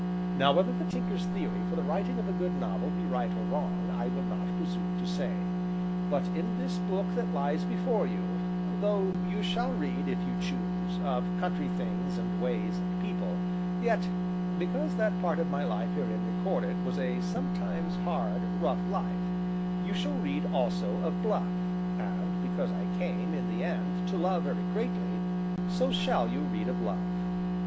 Now whether the Tinker's theory for the writing of a good novel be right or wrong, I will not presume to say. But in this book that lies before you, though you shall read, if you choose, of country things and ways and people, yet, because that part of my life herein recorded was a something hard, rough life, you shall read also of blood; and, because I came, in the end, to love very greatly, so shall you read of love.